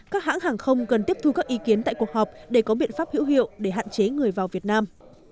các hãng hàng không cần tiếp thu các ý kiến tại cuộc họp để có biện pháp hữu hiệu để hạn chế người vào việt nam